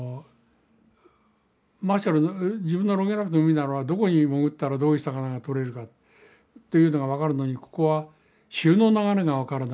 マーシャル自分のロンゲラップの海ならどこに潜ったらどういう魚がとれるかというのが分かるのにここは潮の流れが分からない。